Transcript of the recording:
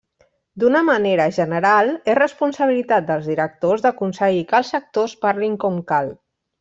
D'una manera general és responsabilitat dels directors d'aconseguir que els actors parlin com cal.